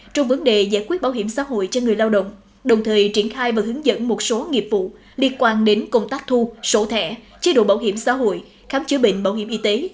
trong vấn đề giải quyết bảo hiểm xã hội cho người lao động đồng thời triển khai và hướng dẫn một số nghiệp vụ liên quan đến công tác thu sổ thẻ chế độ bảo hiểm xã hội khám chữa bệnh bảo hiểm y tế